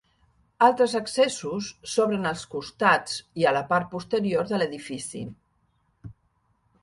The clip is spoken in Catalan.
Altres accessos s'obren als costats i a la part posterior de l'edifici.